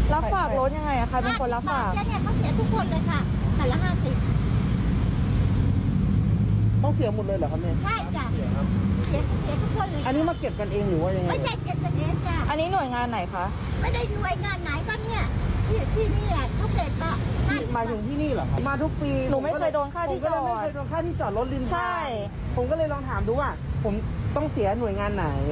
มาถึงที่นี่หรือครับมาทุกปีผมก็เลยไม่เคยโดนค่าที่จอดรถริมภาพผมก็เลยลองถามดูว่าผมต้องเสียหน่วยงานไหน